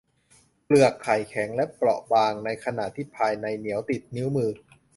เปลือกไข่แข็งและเปราะบาง ในขณะที่ภายในเหนียวติดนิ้วมือ